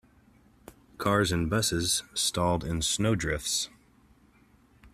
Cars and busses stalled in snow drifts.